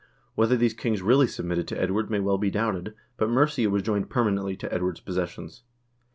Whether these kings really submitted to Edward may well be doubted, but Mercia was joined permanently to Edward's pos sessions.